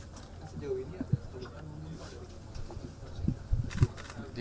sejauh ini ada kondisi